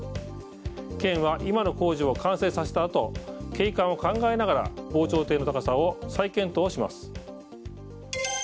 県は今の工事を完成させたあと景観を考えながら防潮堤の高さを再検討します。